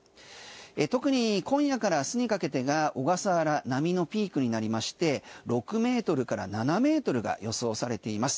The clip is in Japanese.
特に今夜から明日にかけてが小笠原、波のピークになりまして６ｍから７ｍが予想されています。